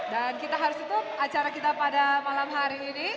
dan kita harus tutup acara kita pada malam hari ini